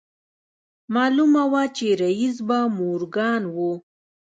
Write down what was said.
معلومه وه چې رييس به مورګان و.